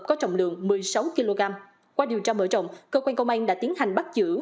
có trọng lượng một mươi sáu kg qua điều tra mở rộng cơ quan công an đã tiến hành bắt giữ